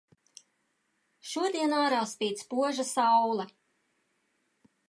Šodien ārā spīd spoža saule.